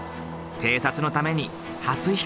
偵察のために初飛行。